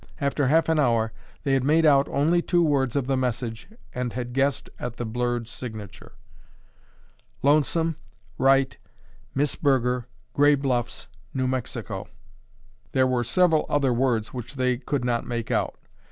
After half an hour, they had made out only two words of the message and had guessed at the blurred signature. "lonesome—write—Miss Burger, Gray Bluffs, New Mexico." There were several other words which they could not make out.